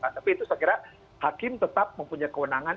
tapi itu saya kira hakim tetap mempunyai kewenangan